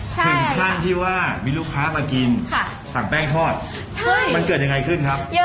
ถึงขั้นที่ว่ามีลูกค้ามากินสั่งแป้งทอดมันเกิดยังไงขึ้นครับ